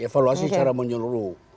evaluasi secara menyeluruh